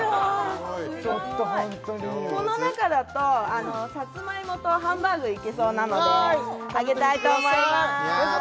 すごいこの中だとさつまいもとハンバーグいけそうなのであげたいと思いますやさ